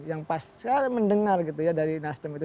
yang pas saya mendengar gitu ya dari nasdem itu